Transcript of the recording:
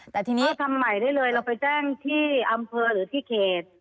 แต่ทีนี้ทำใหม่ได้เลยเราไปแจ้งที่อำเภอหรือที่เขต